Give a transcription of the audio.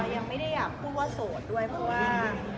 ยังไม่ได้อยากพูดว่าโสดด้วยเพราะว่า